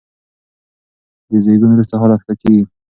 د زېږون وروسته حالت ښه کېږي.